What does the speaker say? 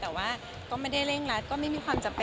แต่ก็ไม่ได้เล่นรัดก็ไม่มีความหักลัวใจ